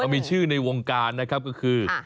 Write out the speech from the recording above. มีชื่อในวงการนะครับก็คือ